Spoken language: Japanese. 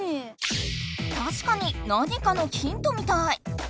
たしかに何かのヒントみたい。